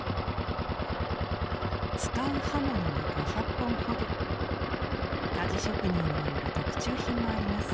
使う刃物は５００本ほど鍛冶職人による特注品もあります。